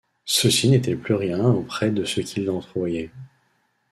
Ceci n’était plus rien auprès de ce qu’il entrevoyait.